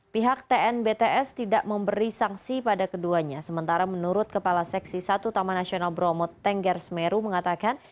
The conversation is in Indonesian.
pihak tnbts tidak memberi sanksi pada keduanya sementara menurut kepala seksi satu taman nasional bromo tengger semeru mengatakan